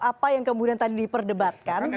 apa yang kemudian tadi diperdebatkan